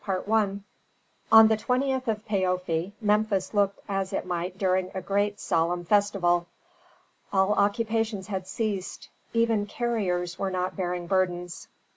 CHAPTER LXV On the 20th of Paofi Memphis looked as it might during a great solemn festival. All occupations had ceased; even carriers were not bearing burdens.